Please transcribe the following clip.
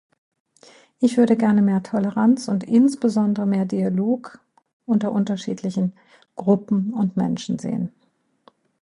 Ich würde gerne mehr Toleranz und insbesondere mehr Dialog unter unterschiedlichen Gruppen und Menschen sehen.